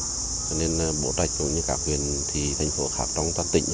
cho nên bố trạch cũng như các huyện thị thành phố khác trong toàn tỉnh